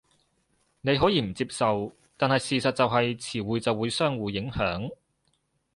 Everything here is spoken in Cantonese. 你可以唔接受，但係事實就係詞彙就會相互影響